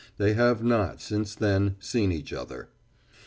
They have not, since then, seen each other.